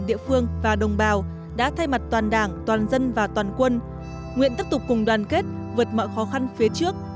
địa phương và đồng bào đã thay mặt toàn đảng toàn dân và toàn quân nguyện tiếp tục cùng đoàn kết vượt mọi khó khăn phía trước